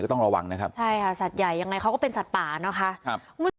ก็ต้องระวังนะครับใช่ค่ะสัตว์ใหญ่ยังไงเขาก็เป็นสัตว์ป่าเนาะค่ะ